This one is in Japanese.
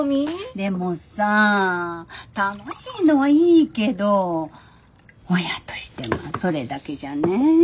でもさ楽しいのはいいけど親としてはそれだけじゃねぇ。